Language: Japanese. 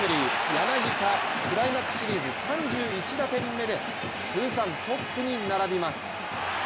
柳田、クライマックスシリーズ３１打点目で通算トップに並びます。